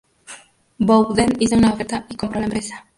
Bowden, hizo una oferta y compró la empresa.